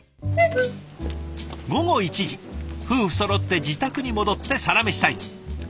夫婦そろって自宅に戻ってサラメシタイム。